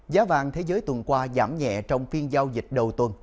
giá vàng thế giới tuần qua giảm nhẹ trong phiên giao dịch đầu tuần